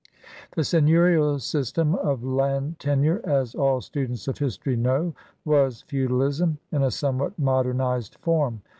The seigneurial system of land tenure, as all students of history know, was feudalism in a somewhat modernized form.